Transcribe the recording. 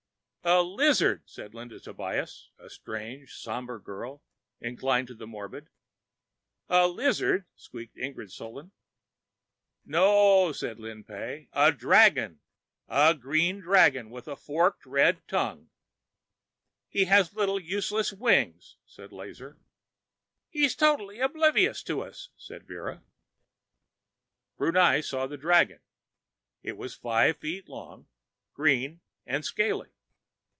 "A lizard," said Linda Tobias, a strange, somber girl, inclined to the morbid. "A lizard?" squeaked Ingrid Solin. "No," said Lin Pey, "a dragon. A green dragon, with a forked red tongue...." "He has little useless wings," said Lazar. "He is totally oblivious to us," said Vera. Brunei saw the dragon. It was five feet long, green and scaly.